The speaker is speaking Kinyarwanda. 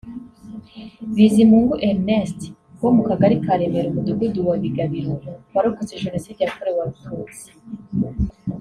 Bizimungu Erneste wo mu Kagari ka Remera umudugudu wa Bigabiro warokotse Jenoside yakorewe Abatutsi